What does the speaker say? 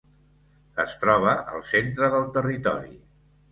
Es troba al centre del territori.